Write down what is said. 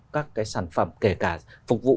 các cái sản phẩm kể cả phục vụ